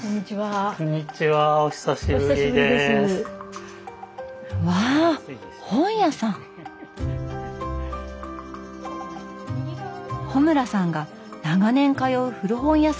穂村さんが長年通う古本屋さんだそう。